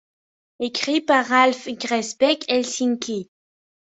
Écrit par Ralph Gräsbeck, Helsinki.